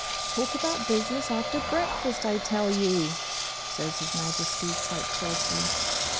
'Talk about business after breakfast, I tell you!' says His Majesty, quite sulky.